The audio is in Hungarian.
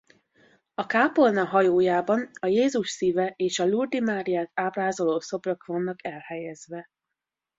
A kápolna hajójában a Jézus Szíve és a Lourdes-i Máriát ábrázoló szobrok vannak elhelyezve.